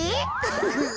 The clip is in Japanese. フフフ。